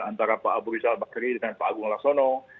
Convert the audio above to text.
antara pak abu rizal bakri dengan pak agung laksono